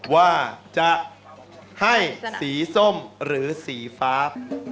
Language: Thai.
ว่าจะให้สีส้มหรือสีฟ้า